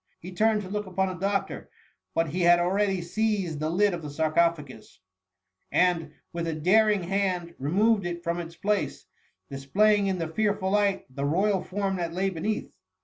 He turned to look upon the doctor, but he had already seized the lid of the sarcophagus, and, with a daring hand, removed it from its place, displaying in the fearful light the royal form that lay beneath.